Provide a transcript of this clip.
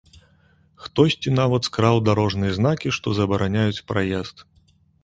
Хтосьці нават скраў дарожныя знакі, што забараняюць праезд.